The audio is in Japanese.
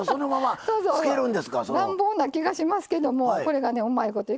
乱暴な気がしますけどもこれがねうまいこといくんですわ。